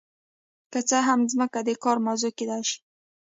که څه هم ځمکه د کار موضوع کیدای شي.